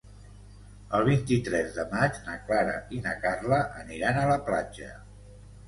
El vint-i-tres de maig na Clara i na Carla aniran a la platja.